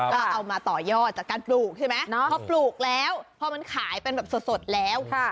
ก็เอามาต่อยอดจากการปลูกใช่ไหมพอปลูกแล้วพอมันขายเป็นแบบสดแล้ว